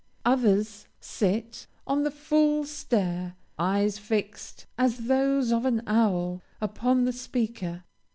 Others sit, on the full stare, eyes fixed as those of an owl, upon the speaker.